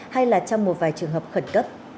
hay là trong một vài trường hợp khẩn cấp